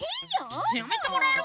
ちょっとやめてもらえる？